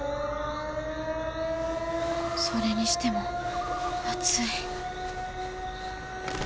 それにしても暑い。